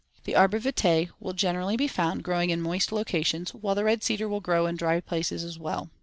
The arbor vitae will generally be found growing in moist locations, while the red cedar will grow in dry places as well.